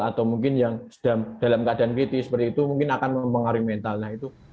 atau mungkin yang dalam keadaan kritis seperti itu mungkin akan mempengaruhi mentalnya itu